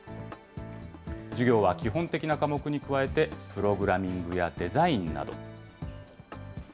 授業は基本的な科目に加えて、プログラミングやデザインなど。